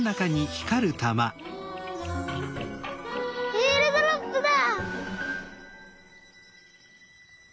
えーるドロップだ！